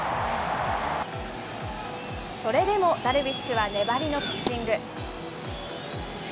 それでもダルビッシュは粘りのピッチング。